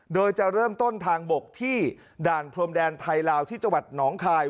โดยจะเริ่มต้นทางบกที่ด่านพรมแดนไทยลาวที่จังหวัดหนองคาย